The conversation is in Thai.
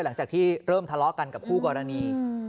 หลังจากที่เริ่มทะเลาะกันกับคู่กรณี